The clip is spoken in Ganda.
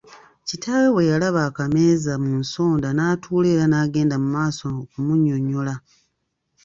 Kitaawe bwe yalaba akameeza mu kasonda n’atuula era n’agenda mu maaso okumunnyonnyola.